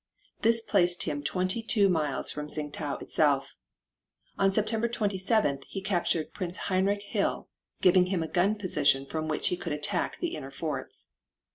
This placed him twenty two miles from Tsing tau itself. On September 27th he captured Prince Heinrich Hill giving him a gun position from which he could attack the inner forts.